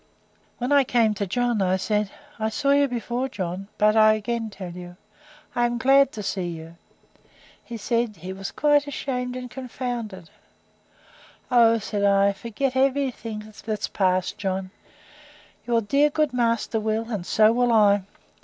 When I came to John, I said, I saw you before, John; but I again tell you, I am glad to see you. He said, he was quite ashamed and confounded. O, said I, forget every thing that's past, John!—Your dear good master will, and so will I.